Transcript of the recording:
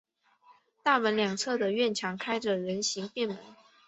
大门两侧的院墙开着人行便门。